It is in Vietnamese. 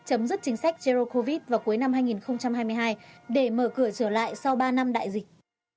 chấm dứt chính sách jero covid vào cuối năm hai nghìn hai mươi hai để mở cửa trở lại sau ba năm đại dịch